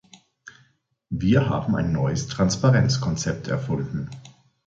Wir haben ein neues Transparenzkonzept erfunden.